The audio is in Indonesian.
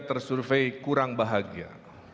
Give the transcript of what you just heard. ter survey kurang bahagia